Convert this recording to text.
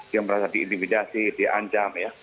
dia merasa diintimidasi diancam ya